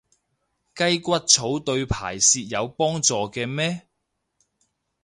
雞骨草對排泄有幫助嘅咩？